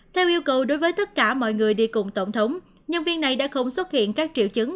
theo yêu cầu đối với tất cả mọi người đi cùng tổng thống nhân viên này đã không xuất hiện các triệu chứng